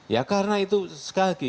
ya karena itu sekali lagi